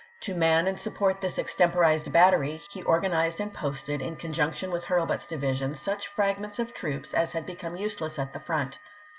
To man and support this extemporized battery he organized and posted, in conjunction with Hurlbut's division, such fragments of troops as had become useless at the front.